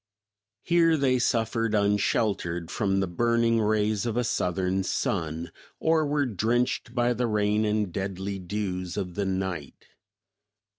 Here they suffered =unsheltered= from the burning rays of a southern sun, or were drenched by the rain and deadly dews of the night.